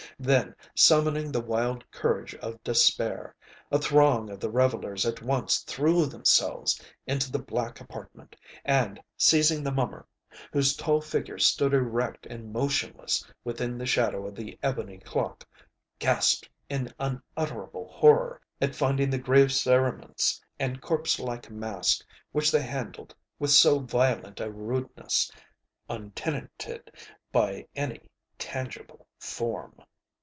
Then, summoning the wild courage of despair, a throng of the revellers at once threw themselves into the black apartment, and, seizing the mummer, whose tall figure stood erect and motionless within the shadow of the ebony clock, gasped in unutterable horror at finding the grave cerements and corpse like mask which they handled with so violent a rudeness, untenanted by any tangible form.